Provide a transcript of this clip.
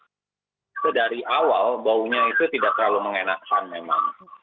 itu dari awal baunya itu tidak terlalu mengenakan memang